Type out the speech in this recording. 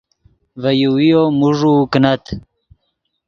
ڤے یوویو موݱوؤ کینت